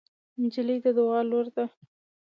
نجلۍ د دعا لور ده.